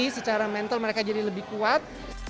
secara mental mereka jadi lebih kuat